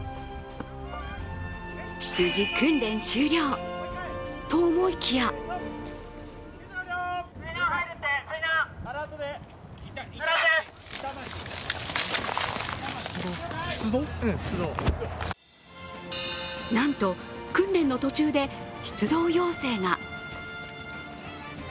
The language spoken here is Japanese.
無事、訓練終了！と思いきやなんと、訓練の途中で出動要請が。